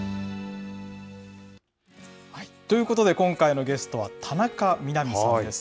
ということで、今回のゲストは、田中みな実さんです。